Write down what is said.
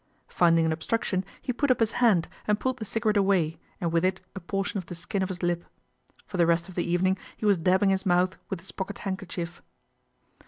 Finding an obstruction he put up his hand and pulled the cigarette away and with it a portion of the skin of his lip. For the rest of the evening he was dabbing his mouth with his pocket handkerchief.